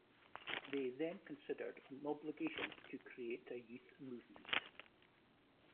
They then considered an obligation to create a youth movement.